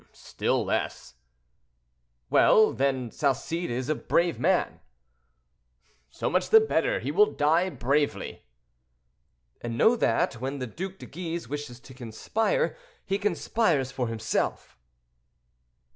"Still less." "Well, then, Salcede is a brave man." "So much the better: he will die bravely." "And know that, when the Duc de Guise wishes to conspire, he conspires for himself."